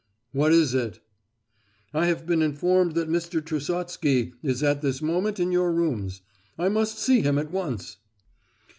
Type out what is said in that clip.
"What is it?" "I have been informed that Mr. Trusotsky is at this moment in your rooms. I must see him at once."